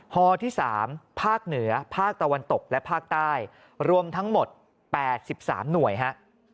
ฮที่๓ภาคเหนือภาคตะวันตกและภาคใต้รวมทั้งหมด๘๓หน่วยฮะ